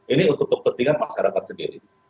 ini untuk kepentingan masyarakat sendiri